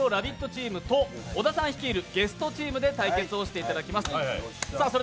チームと小田さん率いるゲストチームで対決をしていただきます。